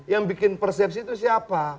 yang bikin persepsi itu siapa